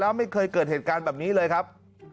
แล้วไม่เคยเกิดเหตุการณ์แบบนี้เลยครับ